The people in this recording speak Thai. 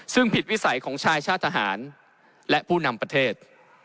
ซึ่งผิดวิสัยของชายชาติทหารและผู้นำประเทศ